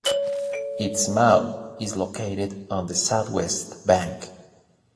Its mouth is located on the southwest bank.